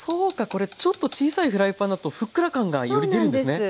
これちょっと小さいフライパンだとふっくら感がより出るんですね。